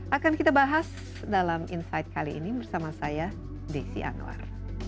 akan kita bahas dalam insight kali ini bersama saya desi anwar